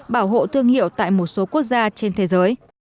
bảo hộ thương hiệu tại một số quốc gia trên thế giới